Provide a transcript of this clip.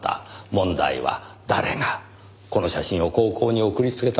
問題は誰がこの写真を高校に送りつけたのかという事です。